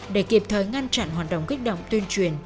để kịp thời ngăn chặn hoạt động kích động tuyên truyền